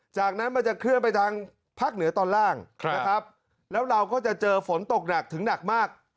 จากนั้นมันจะเคลื่อนไปทางภาคเหนือตอนล่างนะครับแล้วเราก็จะเจอฝนตกหนักถึงหนักมาก